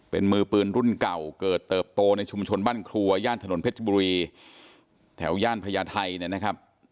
เป็นมือปืนรุ่นเก่าเกิดเติบโตในชุมชนบ้านครัวย่านถนนเพชรบุรีแถวย่านพญาไทยเนี่ยนะครับ